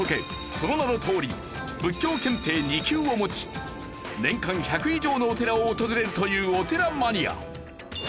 その名のとおり仏教検定２級を持ち年間１００以上のお寺を訪れるというお寺マニア。